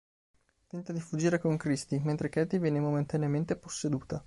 Tenta di fuggire con Kristi, mentre Katie viene momentaneamente posseduta.